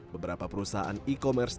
beberapa perusahaan e commerce